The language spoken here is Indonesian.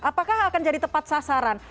apakah akan jadi tepat sasaran